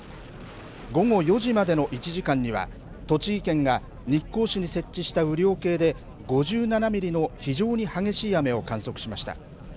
午後４時までの１時間には、栃木県が日光市に設置した雨量計で５７ミリの非常に激しい雨を観測しました。